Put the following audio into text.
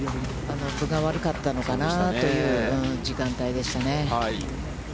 分が悪かったのかなという時間帯でしたね。